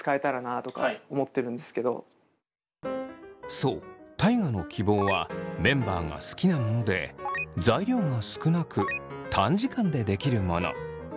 そう大我の希望はメンバーが好きなもので材料が少なく短時間でできるもの。